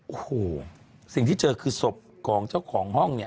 โอ้โหสิ่งที่เจอคือศพของเจ้าของห้องเนี่ย